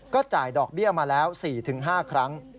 จ่ายดอกเบี้ยมาแล้ว๔๕ครั้ง